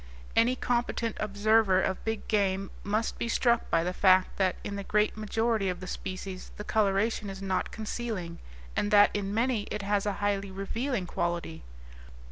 Any competent observer of big game must be struck by the fact that in the great majority of the species the coloration is not concealing, and that in many it has a highly revealing quality.